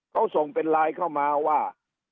เขาส่งเป็นไลน์เข้ามาว่า